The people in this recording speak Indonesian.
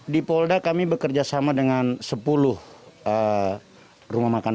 di polda kami bekerjasama dengan sepuluh rumah makan